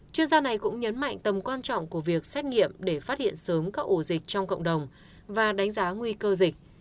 chuyên gia này cũng nhấn mạnh tầm quan trọng của việc xét nghiệm để phát hiện sớm các ổ dịch trong cộng đồng và đánh giá nguy cơ dịch